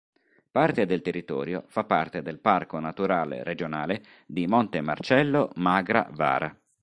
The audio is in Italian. Parte del territorio fa parte del Parco naturale regionale di Montemarcello-Magra-Vara.